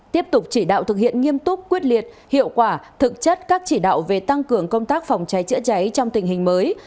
tiếp tục chỉ đạo thực hiện nghiêm túc quyết liệt hiệu quả thực chất các chỉ đạo về tăng cường công tác phòng cháy chữa cháy trong tình hình mới